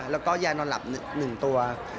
แล้วก็ยานอนหลับ๑ตัว